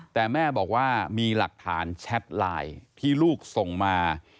แต่แม่บอกว่ามีหลักฐานแชทไลน์ที่ลูกส่งมา